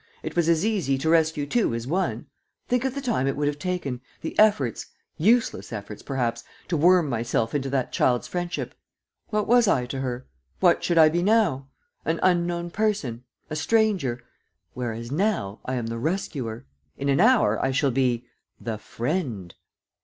It was as easy to rescue two as one. Think of the time it would have taken, the efforts useless efforts, perhaps to worm myself into that child's friendship! What was I to her? What should I be now? An unknown person ... a stranger. Whereas now I am the rescuer. In an hour I shall be ... the friend."